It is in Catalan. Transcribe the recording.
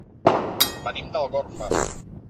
Venim d'Algorfa.